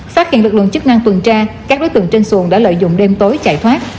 phát hiện lực lượng chức năng tuần tra các đối tượng trên xuồng đã lợi dụng đêm tối chạy thoát